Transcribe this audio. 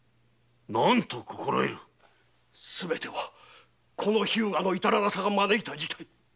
すべてはこの日向の至らなさが招いた事態。